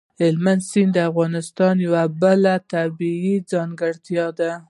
هلمند سیند د افغانستان یوه بله طبیعي ځانګړتیا ده.